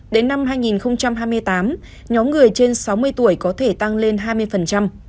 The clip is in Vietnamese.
đến năm hai nghìn hai mươi tám nhóm người trên sáu mươi tuổi có thể tăng lên hai mươi